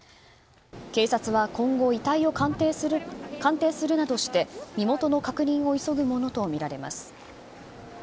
警察は今後遺体を鑑定するなどして身元の確認を急ぐものとみられます。